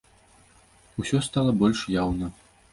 Усё стала больш яўна.